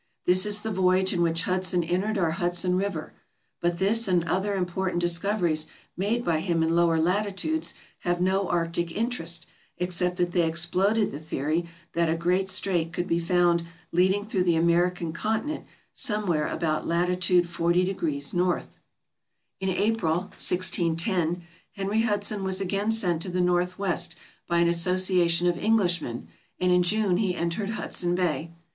This is the voyage in which Hudson entered our Hudson River; but this and other important dis coveries made by him in lower latitudes have no arctic interest, except that they exploded the theory that a great strait could be found leading through the American continent somewhere about lat. 400 N. In April, 1610, Henry Hudson was again sent to the North west by an association of Englishmen, and in June he entered Hudson Bay.